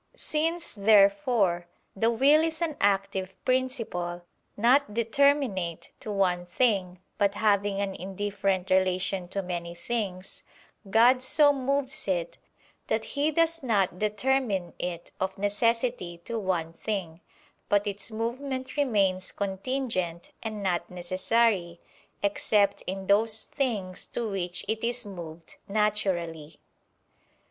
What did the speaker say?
Since, therefore, the will is an active principle, not determinate to one thing, but having an indifferent relation to many things, God so moves it, that He does not determine it of necessity to one thing, but its movement remains contingent and not necessary, except in those things to which it is moved naturally.